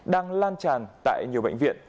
đang lan tràn tại nhiều bệnh viện